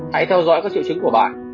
hãy theo dõi các triệu chứng của bạn